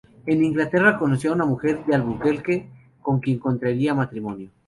En Inglaterra conoció a una mujer de Albuquerque, con quien contraería matrimonio.